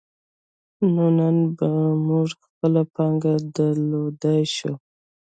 نو نن به موږ خپله پانګه درلودلای شو.